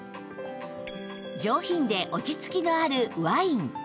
上品で落ち着きのあるワイン